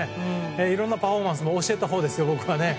いろんなパフォーマンスを教えたほうですよ、僕が。